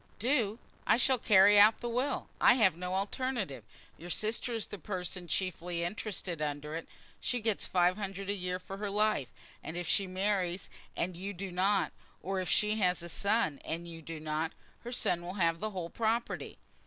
"Do! I shall carry out the will. I have no alternative. Your sister is the person chiefly interested under it. She gets five hundred a year for her life; and if she marries and you don't, or if she has a son and you don't, her son will have the whole property."